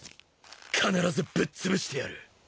必ずぶっつぶしてやる！